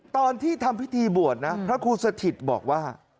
ตอนที่ทำพิธีบวชนะพระครูสถิตบอกว่า